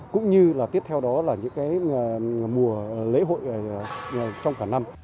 cũng như tiếp theo đó là những mùa lễ hội trong cả năm